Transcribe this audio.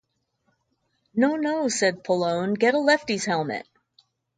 No, no, said Pallone, get a lefty's helmet.